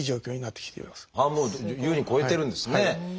半分を優に超えてるんですね。